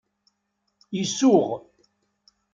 Isuɣ.